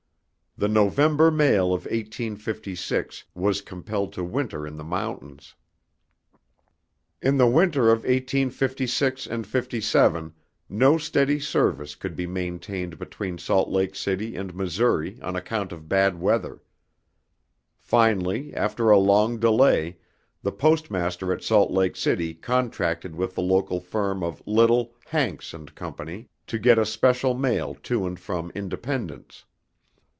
The November mail of 1856 was compelled to winter in the mountains. In the winter of 1856 57 no steady service could be maintained between Salt Lake City and Missouri on account of bad weather. Finally, after a long delay, the postmaster at Salt Lake City contracted with the local firm of Little, Hanks, and Co., to get a special mail to and from Independence.